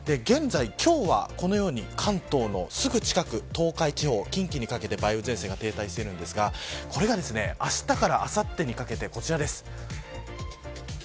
現在、今日はこのように関東のすぐ近く東海地方近畿にかけて梅雨前線が停滞しているんですがこれがあしたからあさってにかけて、こちらです。